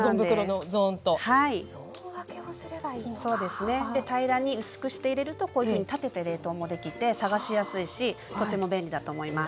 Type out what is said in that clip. で平らに薄くして入れるとこういうふうに立てて冷凍もできて探しやすいしとても便利だと思います。